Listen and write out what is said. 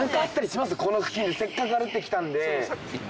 せっかく歩いてきたんで。